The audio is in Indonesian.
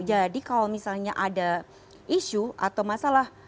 jadi kalau misalnya ada isu atau masalah